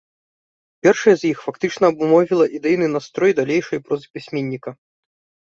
Першая з іх фактычна абумовіла ідэйны настрой далейшай прозы пісьменніка.